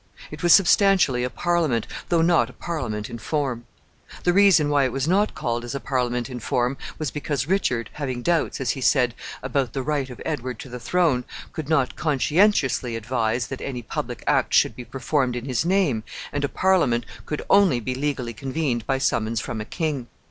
It was substantially a Parliament, though not a Parliament in form. The reason why it was not called as a Parliament in form was because Richard, having doubts, as he said, about the right of Edward to the throne, could not conscientiously advise that any public act should be performed in his name, and a Parliament could only be legally convened by summons from a king.